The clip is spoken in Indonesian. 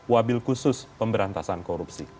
wabil khusus pemberantasan korupsi